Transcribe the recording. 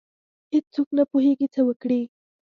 هیڅ څوک نه پوهیږي څه وکړي.